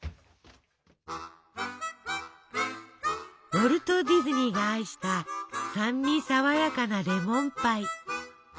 ウォルト・ディズニーが愛した酸味爽やかなレモンパイ。